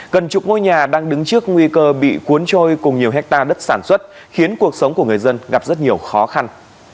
gần chục ngôi nhà đang đứng trước nguy cơ bị cuốn trôi cùng nhiều hectare đất sản xuất khiến cuộc sống của người dân gặp rất nhiều khó khăn